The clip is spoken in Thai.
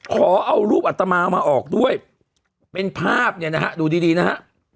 ขอเอารูปอัตมามาออกด้วยเป็นภาพเนี่ยนะฮะดูดีดีนะฮะ